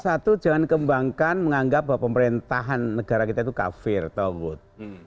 satu jangan kembangkan menganggap bahwa pemerintahan negara kita itu kafir tauhud